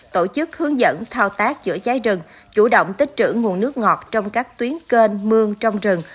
tổ chức hướng dẫn thao tác chữa cháy rừng chủ động tích trữ nguồn nước ngọt trong các tuyến kênh mương trong rừng